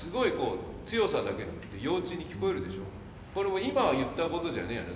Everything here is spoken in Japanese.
これも今言ったことじゃねえよな